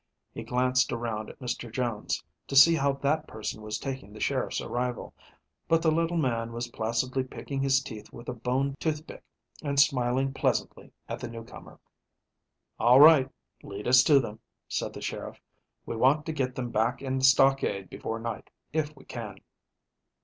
He glanced around at Mr. Jones, to see how that person was taking the sheriff's arrival, but the little man was placidly picking his teeth with a bone toothpick and smiling pleasantly at the newcomer. "All right, lead us to them," said the sheriff. "We want to get them back in the stockade before night, if we can."